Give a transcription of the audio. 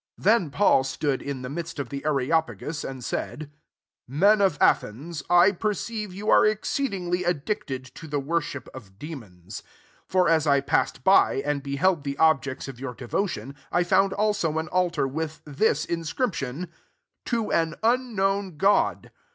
22 Then Paul stood in tiie midst of the Areopagus, and said, "Men of Athens, I. per ceive you are exceedingly^* dieted to the worship of demonsi 23 For as I passed by, and be held the objects of your dcfO* tion, I found also an altar witl this inscription, * to a» mf* KKowN god.